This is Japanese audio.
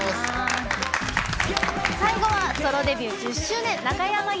最後はソロデビュー１０周年、中山優